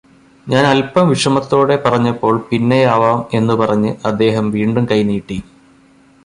ഞാൻ അല്പം വിഷമത്തോടെ പറഞ്ഞപ്പോൾ പിന്നെയാവാം എന്നുപറഞ്ഞ് അദ്ദേഹം വീണ്ടും കൈനീട്ടി.